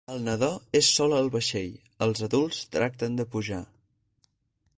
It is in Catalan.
El nadó és sol al vaixell, els adults tracten de pujar…